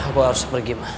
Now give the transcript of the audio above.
aku harus pergi ma